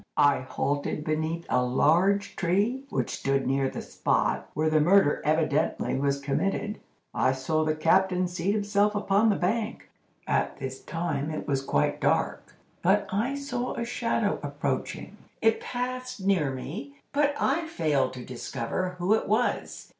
"I halted beneath a large tree, which stood near the spot where the murder evidently was committed. I saw the captain seat himself upon the bank. At this time it was quite dark, but I saw a shadow approaching. It passed near me, but I failed to discover who it was.